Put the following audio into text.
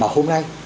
mà hôm nay